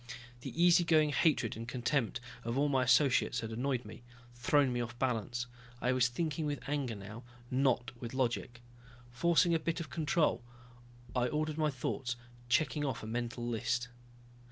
The easy going hatred and contempt of all my associates had annoyed me, thrown me off balance. I was thinking with anger now, not with logic. Forcing a bit of control, I ordered my thoughts, checking off a mental list.